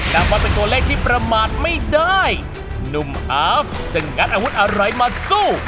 นับว่าเป็นตัวเลขที่ประมาทไม่ได้หนุ่มอาฟจะงัดอาวุธอะไรมาสู้